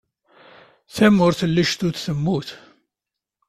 Tamurt n lejdud temmut?